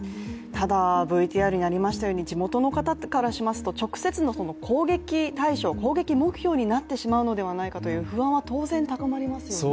ただＶＴＲにありましたように、地元の方からしますと、直接の攻撃対象、攻撃目標になってしまうのではないかという不安は当然高まりますよね。